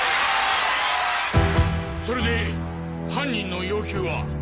それで犯人の要求は？